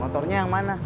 motornya yang mana